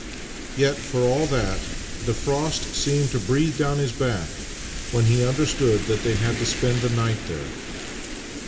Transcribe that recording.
Yet, for all that, the frost seemed to breathe down his back when he understood that the\' had to spend the night there.